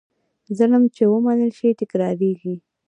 ظلم چې ومنل شي، تکرارېږي.